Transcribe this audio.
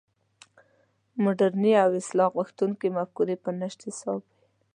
مډرنې او اصلاح غوښتونکې مفکورې په نشت حساب وې.